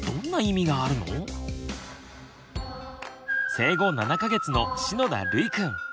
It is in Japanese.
生後７か月の篠田るいくん。